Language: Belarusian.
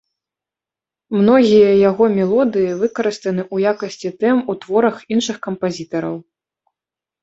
Многія яго мелодыі выкарыстаны ў якасці тэм у творах іншых кампазітараў.